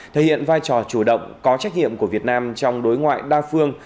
thể hiện vai trò chủ động có trách nhiệm của việt nam trong đối ngoại đa phương